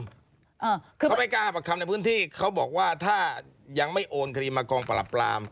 เขาไม่กล้าประคำในพื้นที่เขาบอกว่าถ้ายังไม่โอนคดีมากองปรับปราม